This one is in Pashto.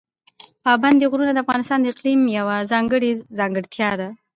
پابندي غرونه د افغانستان د اقلیم یوه ځانګړې ځانګړتیا ده.